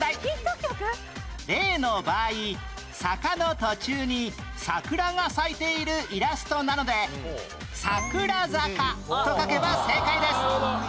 例の場合坂の途中に桜が咲いているイラストなので『桜坂』と書けば正解です